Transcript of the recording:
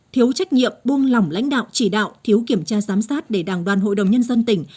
thiếu trách nhiệm buông lỏng lãnh đạo chỉ đạo thiếu kiểm tra giám sát để đảng đoàn hội đồng nhân dân tỉnh